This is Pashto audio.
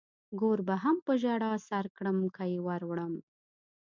ګور به هم په ژړا سر کړم که يې ور وړم.